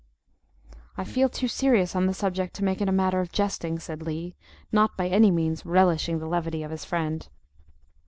"I feel too serious on the subject to make it a matter of jesting," said Lee, not by any means relishing the levity of his friend.